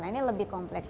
ini lebih kompleks